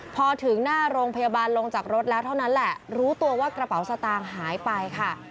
พอถึงหน้าโรงพยาบาลลงจากรถแล้วเท่านั้นแหละรู้ตัวว่ากระเป๋าสตางค์หายไปค่ะ